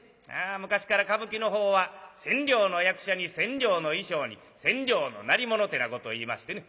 昔から歌舞伎のほうは千両の役者に千両の衣装に千両の鳴り物てなことをいいましてね。